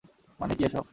মানে, কী এসব?